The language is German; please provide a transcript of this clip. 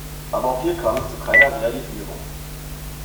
Aber auch hier kam es zu keiner Realisierung.